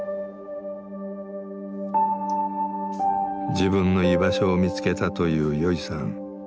自分の居場所を見つけたというよいさん。